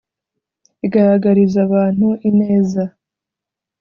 Igaragariza abantu ineza